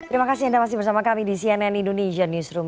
terima kasih anda masih bersama kami di cnn indonesia newsroom